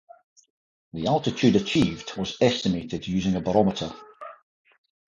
The altitude achieved was estimated using a barometer.